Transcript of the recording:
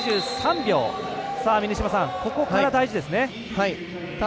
ここからが大事ですね。